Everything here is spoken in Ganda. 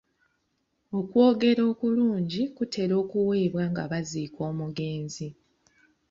Okwogera okulungi kutera okuweebwa nga baziika omugezi.